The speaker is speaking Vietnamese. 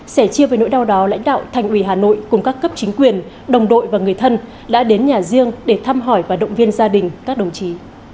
sẻ chia với nỗi đau đó lãnh đạo thành ủy hà nội cùng các cấp chính quyền đồng đội và người thân đã đến nhà riêng để thăm hỏi và động viên gia đình các đồng chí